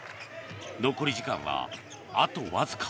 残り時間は、あとわずか。